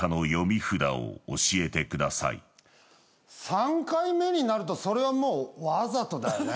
三回目になるとそれはもうわざとだよね。